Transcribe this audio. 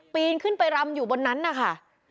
ปีนขึ้นไปรำอยู่บนนั้นนะคะ